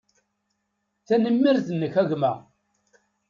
Tanemmirt-nnek, a gma.